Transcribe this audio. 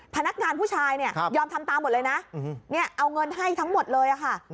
พนักงานผู้ชายเนี่ยยอมทำตามหมดเลยนะเอาเงินให้ทั้งหมดเลยค่ะ